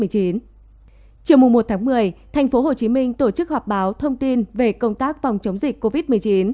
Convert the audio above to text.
chiều một một mươi thành phố hồ chí minh tổ chức họp báo thông tin về công tác phòng chống dịch covid một mươi chín